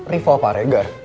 rival pak regar